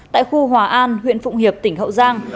tại khu hòa an huyện phụng hiệp tỉnh hậu giang